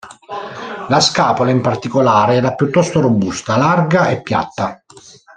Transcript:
La scapola, in particolare, era piuttosto robusta, larga e piatta.